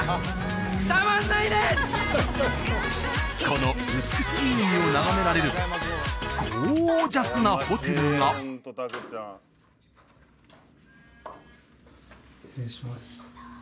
この美しい海を眺められるゴージャスなホテルが失礼します